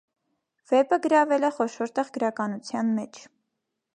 Վեպը գրավել է խոշոր տեղ գրականության մեջ։